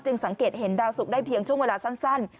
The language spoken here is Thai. สังเกตเห็นดาวสุกได้เพียงช่วงเวลาสั้น